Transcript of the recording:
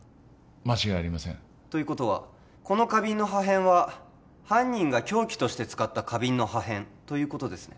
間違いありませんということはこの花瓶の破片は犯人が凶器として使った花瓶の破片ということですね？